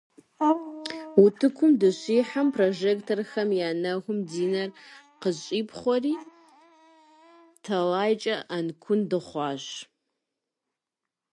Утыкум дыщихьэм, прожекторхэм я нэхум ди нэр къыщипхъуэри, тэлайкӀэ Ӏэнкун дыхъуащ.